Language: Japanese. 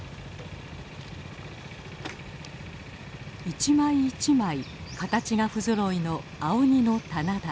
一枚一枚形がふぞろいの青鬼の棚田。